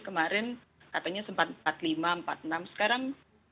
kemarin katanya empat puluh lima empat puluh enam sekarang empat puluh empat puluh satu